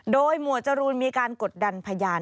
โดยหมวดจรูนมีการกดดันพยาน